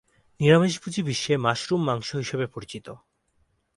নিরামিষভোজী বিশ্বে মাশরুম মাংস হিসেবে পরিচিত।